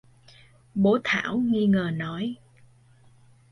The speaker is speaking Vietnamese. Bố Thảo nghi ngờ nói